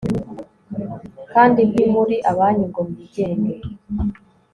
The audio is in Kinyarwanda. Kandi ntimuri abanyu ngo mwigenge